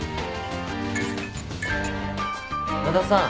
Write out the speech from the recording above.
和田さん。